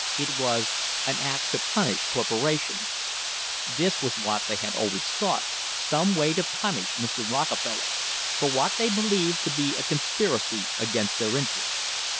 It was "An act to punish cor porations." * This was what they had always sought, some way to punish Mr. Rockefeller for what they believed to be a conspiracy against their interests.